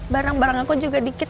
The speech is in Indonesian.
barang barang aku juga dikit